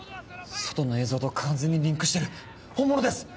外の映像と完全にリンクしてる本物です！